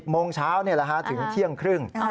โมงเช้าถึงเที่ยงครึ่ง